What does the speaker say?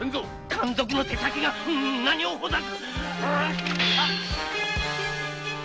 奸賊の手先が何をほざく！